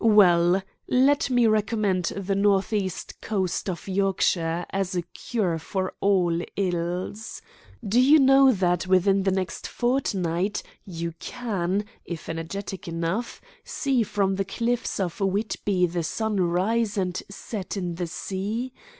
Well, let me recommend the north east coast of Yorkshire as a cure for all ills. Do you know that, within the next fortnight, you can, if energetic enough, see from the cliffs at Whitby the sun rise and set in the sea?